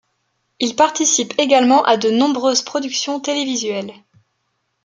Il participe également à de nombreuses productions télévisuelles.